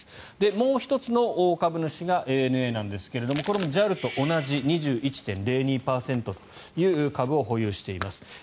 もう１つの大株主がＡＮＡなんですがこれもＪＡＬと同じ２１．０２％という株を保有しています。